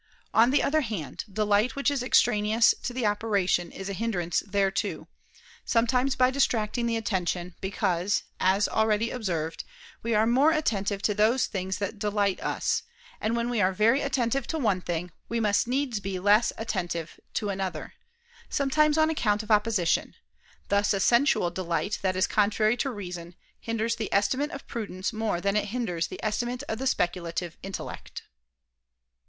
On the other hand, delight which is extraneous to the operation is a hindrance thereto: sometimes by distracting the attention because, as already observed, we are more attentive to those things that delight us; and when we are very attentive to one thing, we must needs be less attentive to another: sometimes on account of opposition; thus a sensual delight that is contrary to reason, hinders the estimate of prudence more than it hinders the estimate of the speculative intellect.